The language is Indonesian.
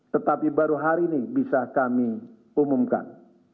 tetapi baru hari ini bisa kami umumkan